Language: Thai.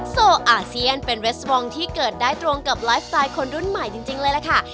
โซอาเซียนเป็นเวสวองที่เกิดได้ตรงกับไลฟ์สไตล์คนรุ่นใหม่จริงเลยล่ะค่ะ